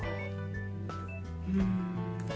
うん。